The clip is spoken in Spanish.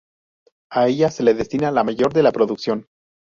A ella se destina la mayor de la producción.